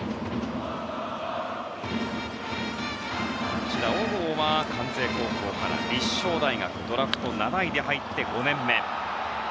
こちら、小郷は関西高校から立正大学ドラフト７位で入って５年目。